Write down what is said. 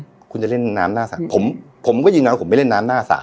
คุณจะเล่นน้ำหน้าสระผมผมก็ยืนยันว่าผมไม่เล่นน้ำหน้าสระ